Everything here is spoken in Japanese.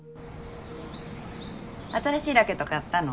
新しいラケット買ったの？